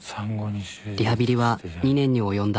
リハビリは２年に及んだ。